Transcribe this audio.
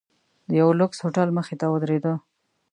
د یوه لوکس هوټل مخې ته ودریده.